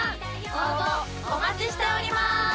応募お待ちしております！